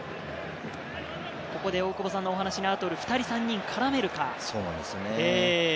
ここで大久保さんのお話にある通り、２人、３人絡めるか。